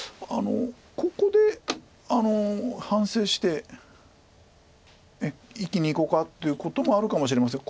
ここで反省して一気にいこうかっていうこともあるかもしれません。